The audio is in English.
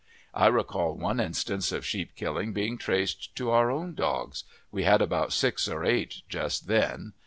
I recall one instance of sheep killing being traced to our own dogs we had about six or eight just then.